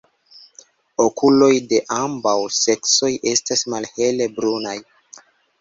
Okuloj de ambaŭ seksoj estas malhele brunaj.